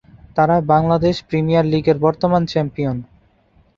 তারা বাংলাদেশ প্রিমিয়ার লীগের বর্তমান চ্যাম্পিয়ন।